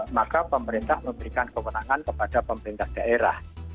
maka pemerintah memberikan kewenangan kepada pemerintah daerah